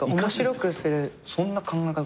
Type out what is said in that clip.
そんな考え方